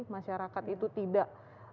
masyarakat itu tidak